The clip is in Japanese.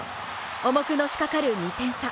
重くのしかかる２点差。